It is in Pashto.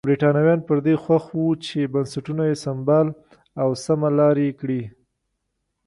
برېټانویان پر دې خوښ وو چې بنسټونه یې سمبال او سمه لار یې کړي.